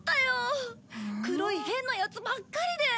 黒い変なヤツばっかりで。